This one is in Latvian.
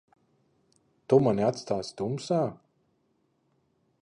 Tu mani atstāsi tumsā?